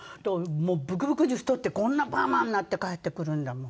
もうブクブクに太ってこんなパーマになって帰ってくるんだもん。